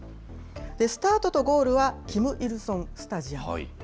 スタートとゴールはキム・イルソンスタジアム。